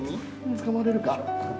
つかまれるか？